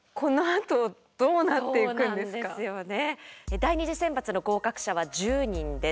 第２次選抜の合格者は１０人です。